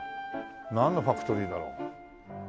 なんのファクトリーだろう？